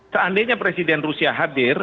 seandainya presiden rusia hadir